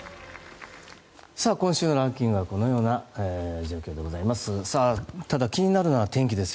今週のランキングはこのような状況です。